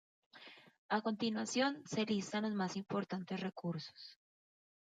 A continuación se listan los más importantes recursos.